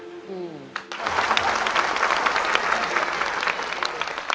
อืม